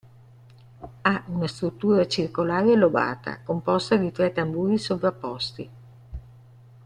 Ha una struttura circolare lobata, composta di tre tamburi sovrapposti.